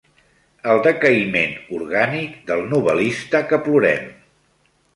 El decaïment orgànic del novel·lista que plorem.